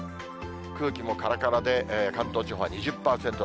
空気もからからで関東地方は２０％台。